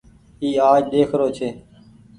اي آج ۮيک رو ڇي۔